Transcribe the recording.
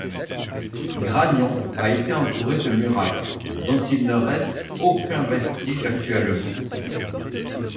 Grañón a été entouré de murailles, dont il ne reste aucun vestige actuellement.